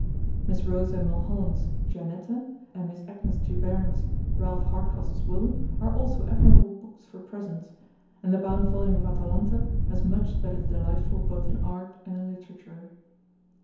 Miss Rosa Mulholland's Giannetta and Miss Agnes Giberne's Ralph Hardcastle's Will are also admirable books for presents, and the bound volume of Atalanta has much that is delightful both in art and in literature.